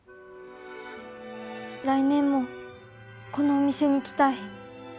来年もこのお店に来たい。